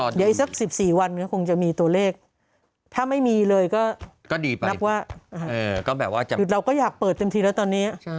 เดี๋ยวอีกสัก๑๔วันก็คงจะมีตัวเลขถ้าไม่มีเลยก็ดีไปนับว่าเราก็อยากเปิดเต็มทีแล้วตอนนี้